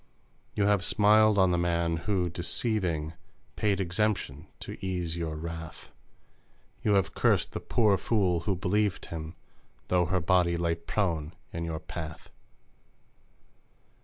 You have smiled on the man, who, deceiving, Paid exemption to ease your wrath ! You have cursed the pour fool who believed him, Though her body lay prone in your path